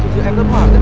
thực sự em rất hoảng